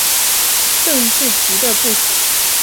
郑士琦的部属。